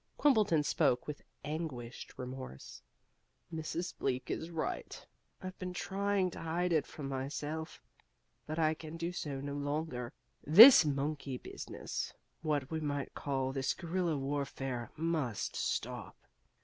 Quimbleton spoke with anguished remorse. "Mrs. Bleak is right. I've been trying to hide it from myself, but I can do so no longer. This monkey business what we might call this gorilla warfare must stop.